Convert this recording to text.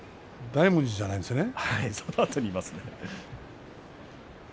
大文字ではないですね。